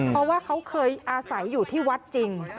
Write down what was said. เพราะว่าเขาเคยอาศัยอยู่ที่วัดจริง